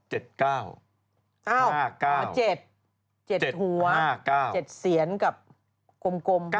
๗๗หัว๗เสียนกับกลม